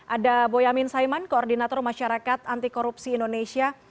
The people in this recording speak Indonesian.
ada boyamin saiman koordinator masyarakat antikorupsi indonesia